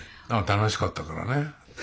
楽しかったからね。